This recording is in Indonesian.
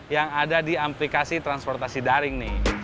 yang ada di aplikasi transportasi daring